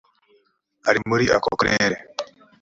ari muri ako karere